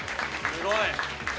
「すごい！」